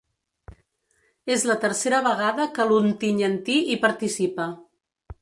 És la tercera vegada que l’ontinyentí hi participa.